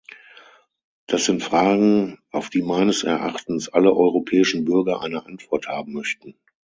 Das sind Fragen, auf die meines Erachtens alle europäischen Bürger eine Antwort haben möchten.